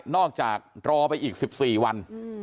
รอจากรอไปอีก๑๔วัน